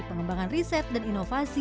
pengembangan riset dan inovasi